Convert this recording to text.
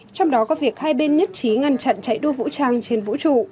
trong đó có việc hai bên nhất trí ngăn chặn chạy đua vũ trang trên vũ trụ